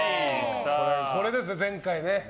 これですよ、前回ね。